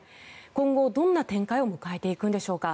今後、どんな展開を迎えていくのでしょうか。